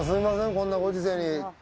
こんなご時世に。